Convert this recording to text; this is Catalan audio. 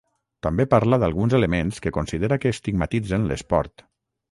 També parla d’alguns elements que considera que estigmatitzen l’esport.